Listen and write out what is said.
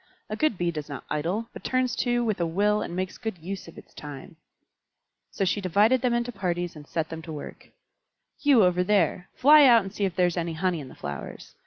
A good Bee does not idle, but turns to with a will and makes good use of its time." So she divided them into parties and set them to work. "You over there, fly out and see if there is any honey in the flowers.